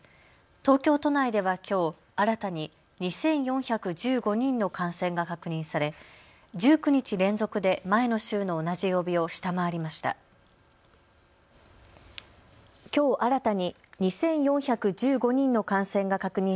東京都内ではきょう、新たに２４１５人の感染が確認され、１９日連続で前の週の同じ曜日を下回りました。